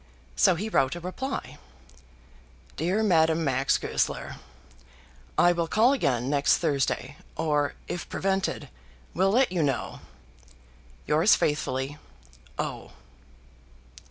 So he wrote a reply, DEAR MADAME MAX GOESLER, I will call again next Thursday, or, if prevented, will let you know. Yours faithfully, O.